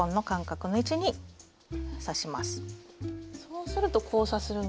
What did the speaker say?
そうすると交差するんだ。